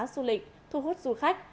du lịch thu hút du khách